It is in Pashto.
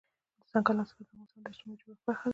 دځنګل حاصلات د افغانستان د اجتماعي جوړښت برخه ده.